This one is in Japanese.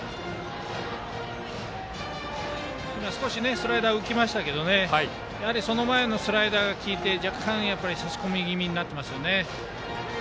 スライダーが浮きましたがその前のスライダーが効いて若干差し込み気味になっていますね。